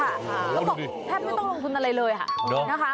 เราก็แทบไม่ต้องลงทุนอะไรเลยนะคะ